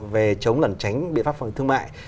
về chống lẩn tránh bị phát phòng thương mại